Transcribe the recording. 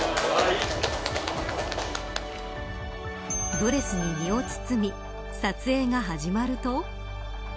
ドレスに身を包み撮影が始まると。